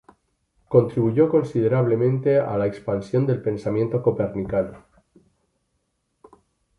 Contribuyó considerablemente a la expansión del pensamiento copernicano.